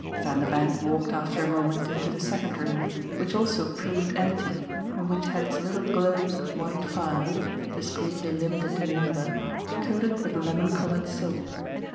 Vanderbank walked after a moment into the second room, which also proved empty and which had its little globes of white fire discreetly limited in number coated with lemon coloured silk.